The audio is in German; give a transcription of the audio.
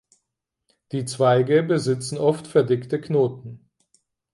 Die Zweige besitzen oft verdickte Knoten.